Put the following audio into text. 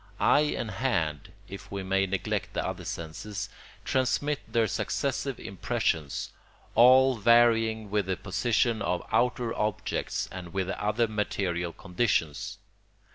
Eye and hand, if we may neglect the other senses, transmit their successive impressions, all varying with the position of outer objects and with the other material conditions.